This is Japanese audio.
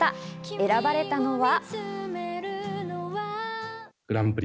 選ばれたのは。